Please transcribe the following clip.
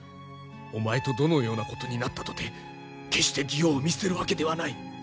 お前とどのようなことになったとて決して妓王を見捨てるわけではない。